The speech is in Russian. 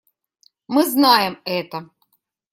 Мы знаем это.